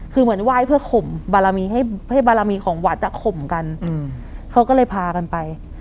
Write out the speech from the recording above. คือเหมือนไหว้เพื่อข่มบารมีให้บารมีของวัดอ่ะข่มกันเขาก็เลยพากันไป